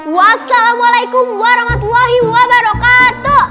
wassalamualaikum warahmatullahi wabarakatuh